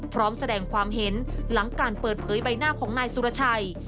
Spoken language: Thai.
พร้อมแสดงความเห็นหลังการเปิดเผยใบหน้าของนายสุรชัย